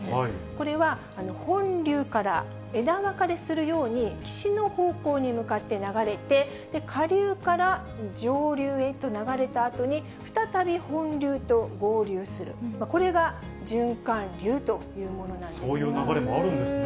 これは本流から枝分かれするように、岸の方向に向かって流れて、下流から上流へと流れたあとに、再び本流と合流する、そういう流れもあるんですね。